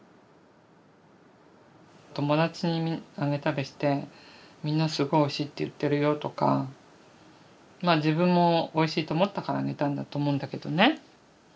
友達にあげたりしてみんな「すごいおいしい」って言ってるよとかまあ自分もおいしいと思ったからあげたんだと思うんだけどね。